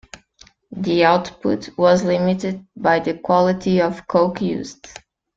The output was limited by the quality of coke used.